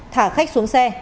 thả khách xuống xe